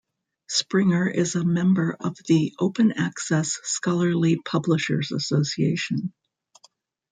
Springer is a member of the Open Access Scholarly Publishers Association.